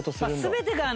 全てがね